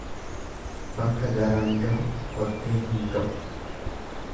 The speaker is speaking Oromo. Bakka garaan gahu kotteen hin ga'u.